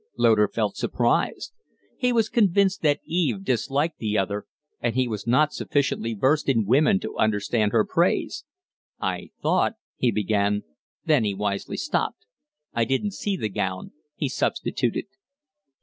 Loder felt surprised. He was convinced that Eve disliked the other and he was not sufficiently versed in women to understand her praise. "I thought " he began. Then he wisely stopped. "I didn't see the gown," he substituted.